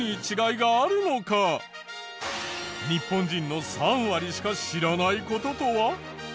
日本人の３割しか知らない事とは？